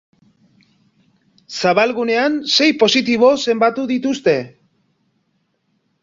Zabalgunean sei positibo zenbatu dituzte.